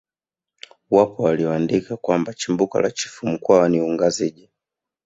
Wapo walioandika kwamba chimbuko la chifu mkwawa ni ungazija